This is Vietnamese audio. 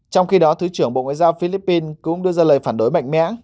trong khi đó thứ trưởng bộ ngoại giao philippines cũng đưa ra lời phản đối mạnh mẽ